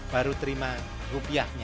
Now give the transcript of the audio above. baru terima rupiahnya